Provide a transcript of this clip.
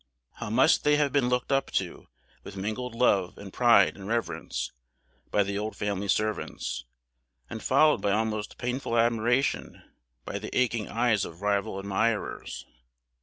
How must they have been looked up to with mingled love, and pride, and reverence, by the old family servants; and followed by almost painful admiration by the aching eyes of rival admirers!